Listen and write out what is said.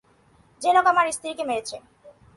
যে লোক আমার স্ত্রীকে মেরেছে।